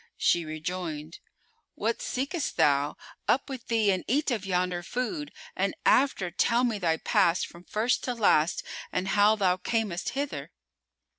She rejoined, "What seekest thou? Up with thee and eat of yonder food, and after tell me thy past from first to last and how thou camest hither."